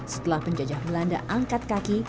setelah penjajah belanda angkat kaki